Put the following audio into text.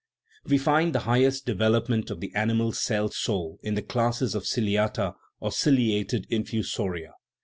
We find the highest development of the animal cell soul in the class of ciliata, or ciliated infusoria.